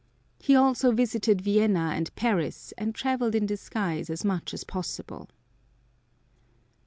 He also visited Vienna and Paris, and traveled in disguise as much as possible.